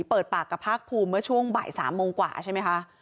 เปิดปากกับภาคภูมิเมื่อช่วงบ่าย๓โมงกว่าใช่ไหมคะ